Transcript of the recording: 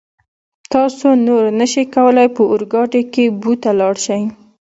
تاسو نور نشئ کولای په اورګاډي کې بو ته لاړ شئ.